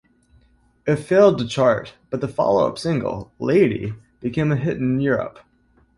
It failed to chart, but the follow-up single, "Lady" became a hit in Europe.